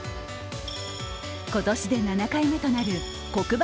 今年で７回目となる黒板